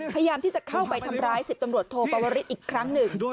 พยายามที่จะเข้าไปทำร้าย๑๐ตำรวจโทปวริสอีกครั้งหนึ่ง